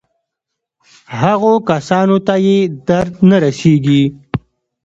هغو کسانو ته یې درد نه رسېږي.